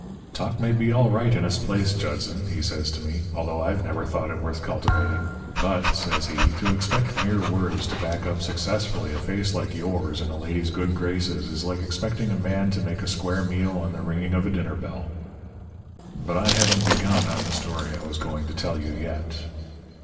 "'Talk may be all right in its place, Judson,' he says to me, 'although I've never thought it worth cultivating. But,' says he, 'to expect mere words to back up successfully a face like yours in a lady's good graces is like expecting a man to make a square meal on the ringing of a dinner bell.' "But I haven't begun on the story I was going to tell you yet.